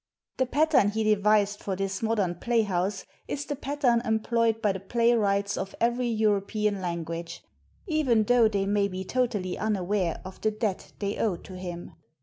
The pattern he devised for this modern playhouse is the pattern employed by the playwrights of every European language, even though they may be totally unaware of the debt they owe to him.